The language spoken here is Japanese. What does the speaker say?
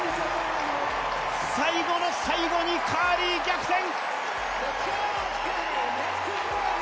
最後の最後にカーリー逆転。